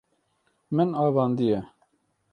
Min avandiye.